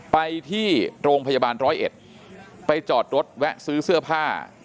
ไปที่โรงพยาบาลร้อยเอ็ดไปจอดรถแวะซื้อเสื้อผ้า